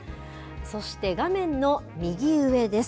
そして、画面の右上です。